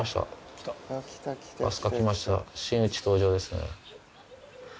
真打ち登場ですね。